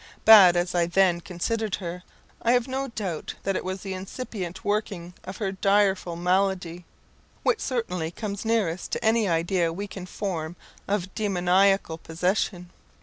Bad as I then considered her, I have now no doubt that it was the incipient workings of her direful malady, which certainly comes nearest to any idea we can form of demoniacal possession.